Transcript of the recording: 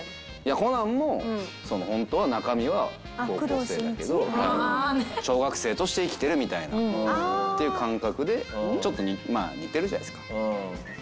コナンもホントは中身は高校生だけど小学生として生きてるみたいなっていう感覚でちょっとまあ似てるじゃないですか。